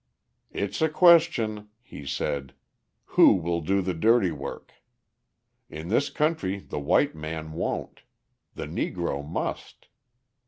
"It's a question," he said, "who will do the dirty work. In this country the white man won't: the Negro must.